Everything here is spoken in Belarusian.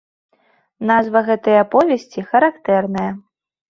Назва гэтай аповесці характэрная.